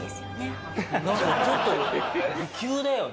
なんかちょっと急だよね。